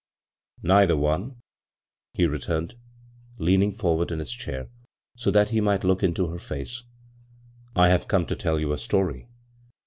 "Neither one," he returned, leaning for ward in his chair so that he might look into her face. " I have come to tell you a story."